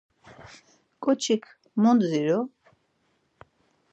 Ǩoçik mu dziru?